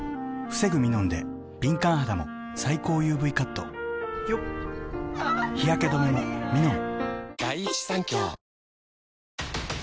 防ぐミノンで敏感肌も最高ＵＶカット日焼け止めもミノン！